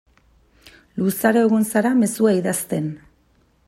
Luzaro egon zara mezua idazten.